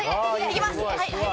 いきます。